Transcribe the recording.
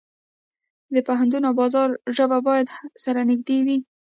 د پوهنتون او بازار ژبه باید سره نږدې وي.